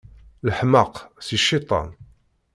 Leḥmeq, si cciṭan.